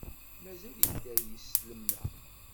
Mazal yedder yislem-a?